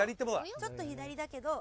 ちょっと左だけど。